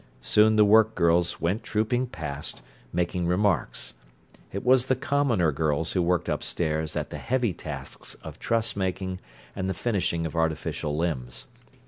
Soon the work girls went trooping past, making remarks. It was the commoner girls who worked upstairs at the heavy tasks of truss making and the finishing of artificial limbs.